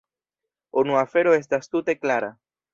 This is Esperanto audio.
Unu afero estas tute klara.